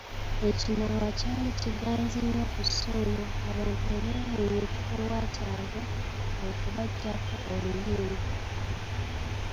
Ekinaawa kyali kiganzi nnyo ku Ssuuna, abantu bwe beewuunya ekikolwa kyabwe, kwe kubaggyako oluyimba.